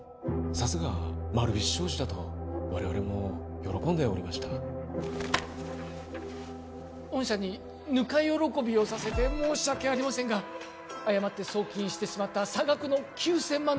さすが丸菱商事だと我々も喜んでおりました御社にぬか喜びをさせて申し訳ありませんが誤って送金してしまった差額の９千万ドル